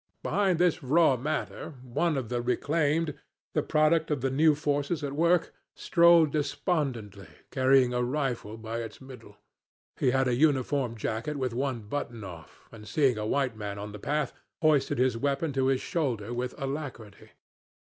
Behind this raw matter one of the reclaimed, the product of the new forces at work, strolled despondently, carrying a rifle by its middle. He had a uniform jacket with one button off, and seeing a white man on the path, hoisted his weapon to his shoulder with alacrity.